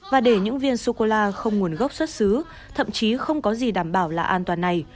và để những viên sô cô la không nguồn gốc xuất xứ thậm chí không có gì đảm bảo là an toàn này